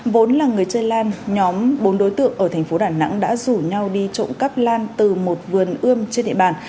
vốn là người chơi lan nhóm bốn đối tượng ở thành phố đà nẵng đã rủ nhau đi trộm cắp lan từ một vườn ươm trên địa bàn